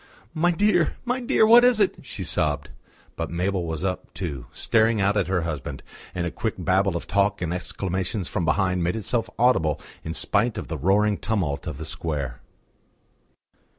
"My dear, my dear, what is it?" she sobbed. But Mabel was up, too, staring out at her husband; and a quick babble of talk and exclamations from behind made itself audible in spite of the roaring tumult of the square.